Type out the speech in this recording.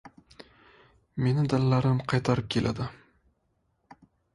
Meni dalalarim qaytarib keladi...